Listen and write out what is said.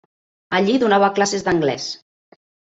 Allí donava classes d’anglès.